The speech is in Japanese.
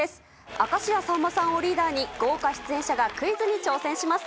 明石家さんまさんをリーダーに、豪華出演者がクイズに挑戦します。